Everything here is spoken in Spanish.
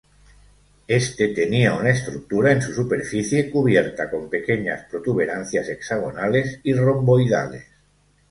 Este tenía una estructura en su superficie cubierta con pequeñas protuberancias hexagonales y romboidales.